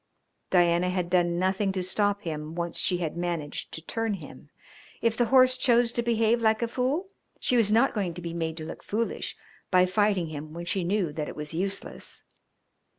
Diana had done nothing to stop him once she had managed to turn him. If the horse chose to behave like a fool she was not going to be made to look foolish by fighting him when she knew that it was useless.